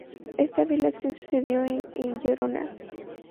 Esta vez la acción sucedió en Gerona.